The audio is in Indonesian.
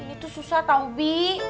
ini tuh susah tau bi